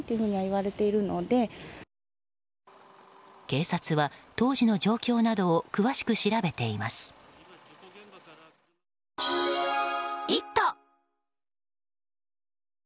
警察は、当時の状況などを詳しく調べています。